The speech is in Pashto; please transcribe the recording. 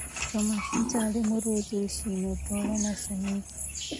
که ماشومان سالم وروزل سي نو ټولنه سمیږي.